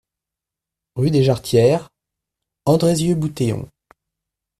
Rue des Jarretières, Andrézieux-Bouthéon